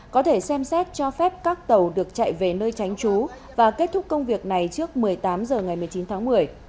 có thể xem xét cho phép các tàu được chạy về nơi tránh trú và kết thúc công việc này trước một mươi tám h ngày một mươi chín tháng một mươi